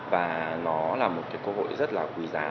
và nó là một cái cơ hội rất là quý giá